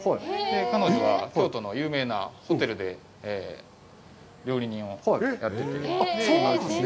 彼女が京都の有名なホテルで料理人をやってて。